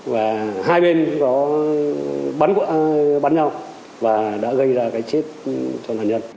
và hai bên bắn nhau và đã gây ra cái chết cho nạn nhân